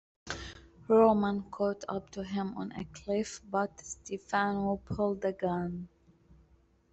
Roman caught up to him on a cliff, but Stefano pulled a gun.